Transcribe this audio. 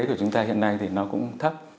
của chúng ta hiện nay thì nó cũng thấp